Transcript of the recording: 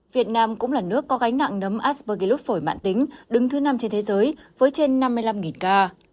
việt nam cũng là nước có gánh nặng nấm asverg phổi mạng tính đứng thứ năm trên thế giới với trên năm mươi năm ca